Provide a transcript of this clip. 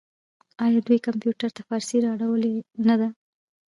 آیا دوی کمپیوټر ته فارسي راوړې نه ده؟